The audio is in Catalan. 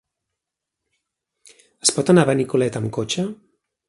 Es pot anar a Benicolet amb cotxe?